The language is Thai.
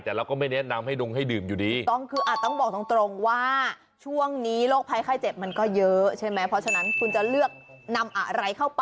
แต่เราก็ไม่แนะนำให้ดงให้ดื่มอยู่ดี